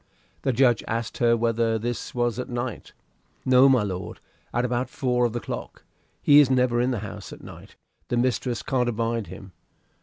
The judge asked her whether this was at night "No, my lord; at about four of the clock. He is never in the house at night; the mistress can't abide him."